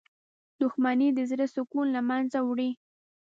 • دښمني د زړه سکون له منځه وړي.